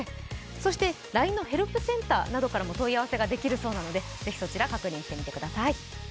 そして、ＬＩＮＥのヘルプセンターなどからも問い合わせができるそうなので、ぜひそちら確認してみてください。